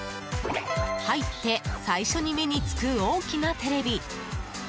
入って最初に目につく大きなテレビ。